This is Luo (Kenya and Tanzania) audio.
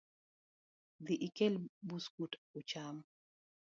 Dhi ikel buskut ucham